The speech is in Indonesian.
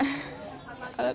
pak makasih banyak